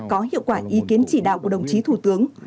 có hiệu quả ý kiến chỉ đạo của đồng chí thủ tướng